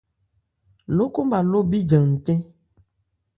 Lókɔn bhâ ló bíjan ncɛ́n.